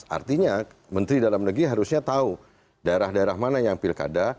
artinya menteri dalam negeri harusnya tahu daerah daerah mana yang pilkada